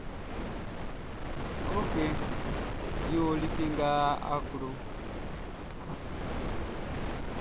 Ok yo like nʼga a klo.